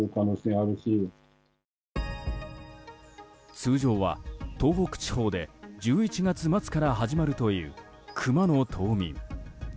通常は東北地方で１１月末から始まるというクマの冬眠。